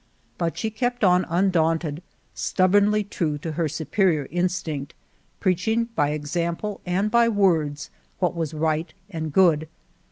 But she kept on undaunted, stub bornly true to her superior instinct, preaching by example and by words what was right and good.